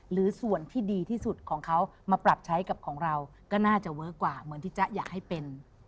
หรือส่วนที่ดีที่สุดของเขามาปรับใช้กับของเราก็น่าจะเวิร์คกว่าเหมือนที่จ๊ะอยากให้เป็น